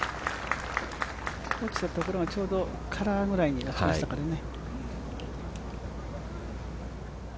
落ちたところがちょうどカラーぐらいでしたからね。